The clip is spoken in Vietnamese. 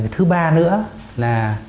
thứ ba nữa là